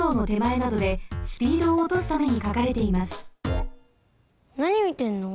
なにみてるの？